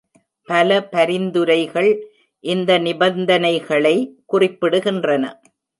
பல பரிந்துரைகள் இந்த நிபந்தனைகளை குறிப்பிடுகின்றன.